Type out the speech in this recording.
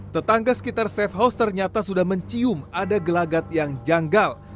tetangga sekitar safe house ternyata sudah mencium ada gelagat yang janggal